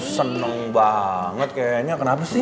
seneng banget kayaknya kenapa sih